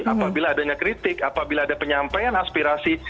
apabila adanya kritik apabila ada penyampaian aspirasi